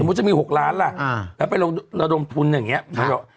สมมุติจะมี๖ล้านล่ะอ่าแล้วไประดมทุนอย่างเงี้ยครับ